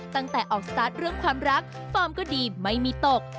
ตั้งแต่ออกสตาร์ทเรื่องความรักฟอร์มก็ดีไม่มีตก